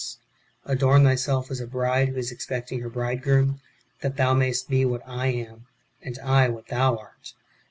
53 Adorn thyself as a bride who is expecting her bridegroom, that thou majest be what I am, and I what thou art.